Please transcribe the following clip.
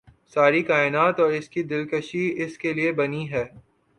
ساری کائنات اور اس کی دلکشی اس کے لیے بنی ہے